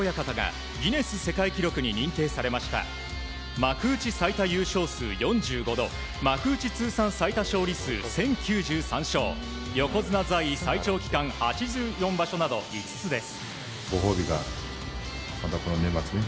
幕内最多優勝数４５度幕内最多勝利数１０９３勝横綱最長在位期間、８４場所など５つです。